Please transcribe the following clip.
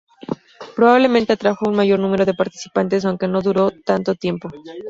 Probablemente atrajo a un mayor número de participantes, aunque no duró tanto tiempo.